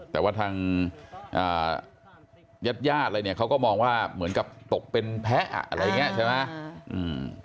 แต่ว่าทางญาติญาติอะไรเนี่ยเขาก็มองว่าเหมือนกับตกเป็นแพ้อะไรอย่างนี้ใช่ไหม